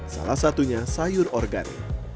salah satunya sayur organ